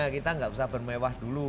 kita nggak usah bermewah dulu